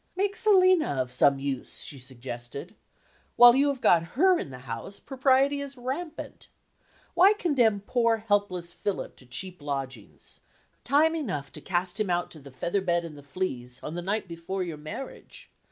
"Make Selina of some use," she suggested. "While you have got her in the house, Propriety is rampant. Why condemn poor helpless Philip to cheap lodgings? Time enough to cast him out to the feather bed and the fleas on the night before your marriage.